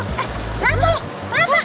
eh rampok rampok